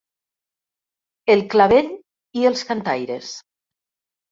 El Clavell i Els Cantaires.